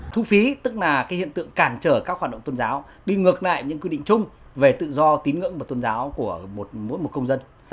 thu phí tức là cái hiện tượng cản trở các hoạt động tôn giáo đi ngược lại những quy định chung về tự do tín ngưỡng và tôn giáo của mỗi một công dân